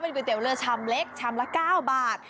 เป็นก๋วยเตี๋ยวเรือชำเล็กชำละ๙บาท